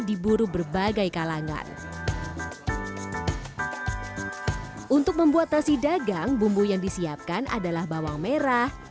diburu berbagai kalangan untuk membuat nasi dagang bumbu yang disiapkan adalah bawang merah